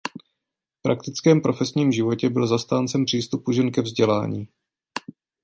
V praktickém profesním životě byl zastáncem přístupu žen ke vzdělání.